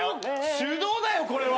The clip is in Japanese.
手動だよこれは。